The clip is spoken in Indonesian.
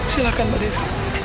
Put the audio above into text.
silahkan mbak nevi